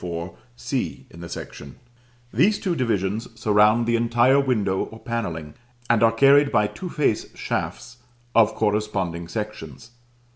4, c in the section; these two divisions surround the entire window or panelling, and are carried by two face shafts of corresponding sections.